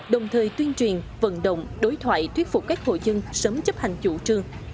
đồng thời tuyên truyền vận động đối thoại thuyết phục các hội dân sớm chấp hành chủ trương